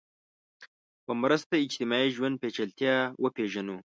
په مرسته اجتماعي ژوند پېچلتیا وپېژنو